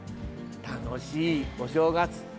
楽しいお正月。